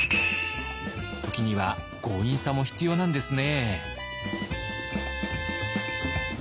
ときには強引さも必要なんですね。